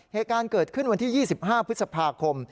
เหตุการณ์เกิดขึ้นวันที่๒๕พฤษภาคม